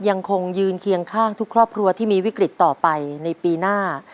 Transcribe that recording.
ยังคงยืนเคียงข้างทุกครอบครัวที่มีวิกฤตต่อไปในปีหน้า